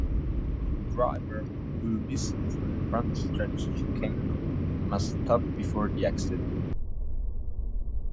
A driver who misses the frontstretch chicane must stop before the exit.